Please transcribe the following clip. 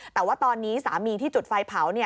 แต่ว่าตอนนี้สามีที่จุดไฟเผา